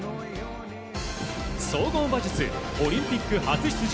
総合馬術オリンピック初出場